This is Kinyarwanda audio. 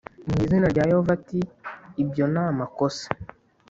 mu izina rya Yehova ati ibyo namakosa